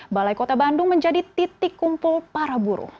balai kota bandung menjadi titik kumpul para buruh